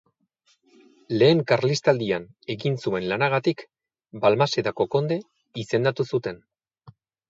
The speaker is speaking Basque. Lehen Karlistaldian egin zuen lanagatik Balmasedako konde izendatu zuten.